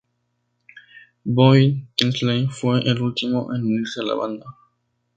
Boyd Tinsley fue el último en unirse a la banda.